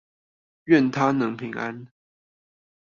願他能平安